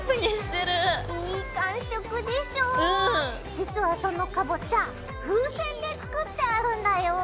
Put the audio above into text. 実はそのかぼちゃ風船で作ってあるんだよ！